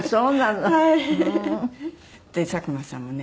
佐久間さんもね